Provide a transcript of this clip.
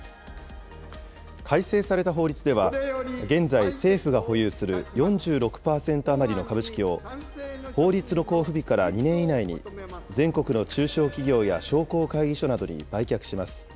改正された法律では、現在、政府が保有する４６％余りの株式を、法律の公布日から２年以内に、全国の中小企業や商工会議所などに売却します。